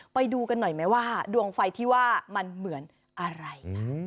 ไปดูกันหน่อยไหมว่าดวงไฟที่ว่ามันเหมือนอะไร